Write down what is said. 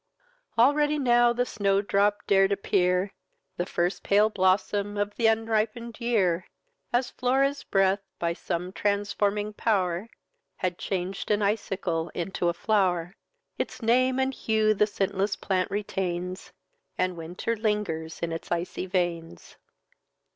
"Already now the snow drop dar'd appear, The first pale blossom of th'unripened year, As Flora's breath, by some transforming pow'r, Had chang'd an icicle into a flow'r. Its name and hue the scentless plant retains, And Winter lingers in its icy veins."